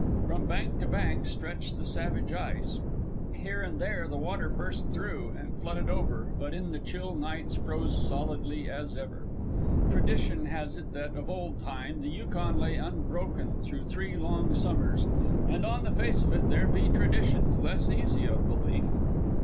From bank to bank stretched the savage ice. Here and there the water burst through and flooded over, but in the chill nights froze solidly as ever. Tradition has it that of old time the Yukon lay unbroken through three long summers, and on the face of it there be traditions less easy of belief.